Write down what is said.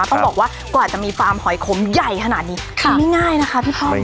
ต้องบอกว่ากว่าจะมีฟาร์มหอยขมใหญ่ขนาดนี้ไม่ง่ายนะคะพี่ป้อง